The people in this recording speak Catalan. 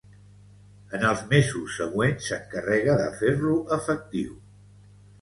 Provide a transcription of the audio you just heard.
En els mesos següents s'encarrega de fer-lo efectiu.